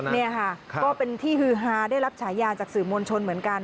นี่ค่ะก็เป็นที่ฮือฮาได้รับฉายาจากสื่อมวลชนเหมือนกัน